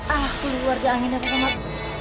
ah keluarga anginnya pak somad